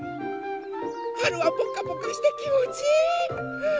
はるはぽかぽかしてきもちいい！